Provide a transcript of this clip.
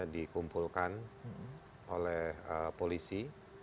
dikumpulkan oleh polisi